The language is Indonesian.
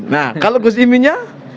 nah kalau gus iminnya